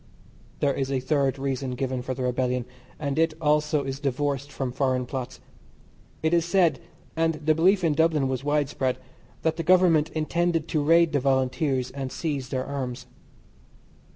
There is a third reason given for the rebellion, and it also is divorced from foreign plots. It is said, and the belief in Dublin was widespread, that the Government intended to raid the Volunteers and seize their arms.